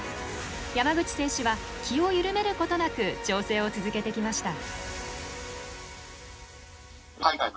山口選手は気を緩めることなく調整を続けてきました。